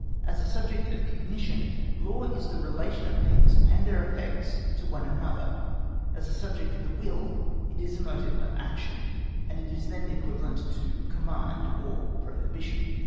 As a subject of cognition, Law is the relation of things and their effects to one another; as a subject of the will, it is a motive of action, and is then equivalent to command or prohibition.